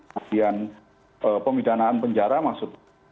kemudian pemidanaan penjara maksudnya